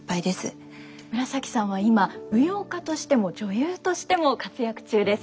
紫さんは今舞踊家としても女優としても活躍中です。